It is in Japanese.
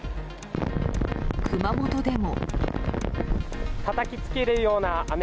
熊本でも。